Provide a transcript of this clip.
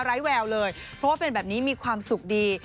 แววเลยเพราะว่าเป็นแบบนี้มีความสุขดี